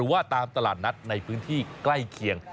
ว่าตามตลาดนัดในพื้นที่ใกล้เคียง